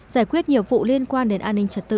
giải quyết nhiều vụ liên quan đến công an chính quy